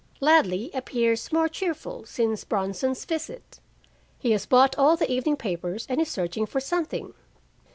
Ladley appears more cheerful since Bronson's visit. He has bought all the evening papers and is searching for something.